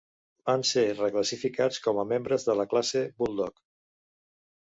Van ser reclassificats com a membres de la classe Bulldog.